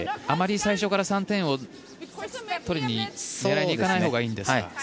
あまり最初から３点狙いにいかないほうがいいんですか。